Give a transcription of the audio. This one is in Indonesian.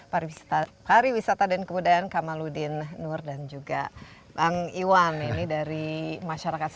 pariwisata pariwisata dan kebudayaan kamaludin nur dan juga bang iwan ini dari masyarakat